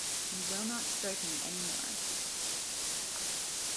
You will not strike me anymore!